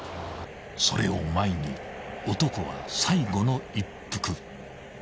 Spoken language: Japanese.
［それを前に男は最後の一服］